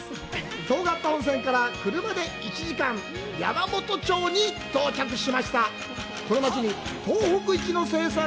遠刈田温泉から車で１時間、山元町に到着です。